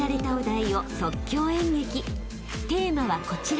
［テーマはこちら］